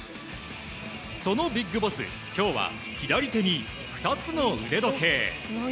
そのビッグボス今日は左手に２つの腕時計。